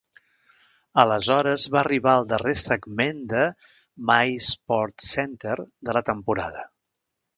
Aleshores va arribar el darrer segment de "My SportsCenter" de la temporada.